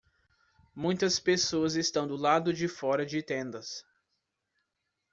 Muitas pessoas estão do lado de fora de tendas.